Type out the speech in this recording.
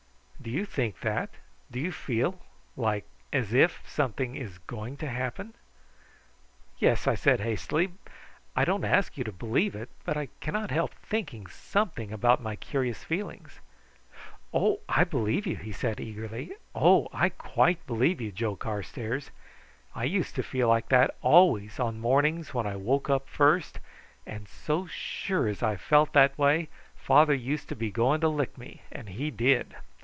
"Do you think that? do you feel like as if something is going to happen?" "Yes," I said hastily. "I don't ask you to believe it but I cannot help thinking something about my curious feelings." "Oh! I believe you," he said eagerly. "Oh! I quite believe you, Joe Carstairs. I used to feel like that always on mornings when I woke up first, and so sure as I felt that way father used to be going to lick me, and he did.